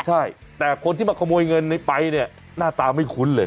ใช่แต่คนที่มาขโมยเงินในไปเนี่ยหน้าตาไม่คุ้นเลย